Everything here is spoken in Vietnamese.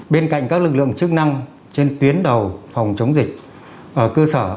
bên cạnh các lực lượng chức năng trên tuyến đầu phòng chống dịch ở cơ sở